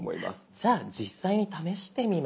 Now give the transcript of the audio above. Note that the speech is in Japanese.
じゃあ実際に試してみましょう。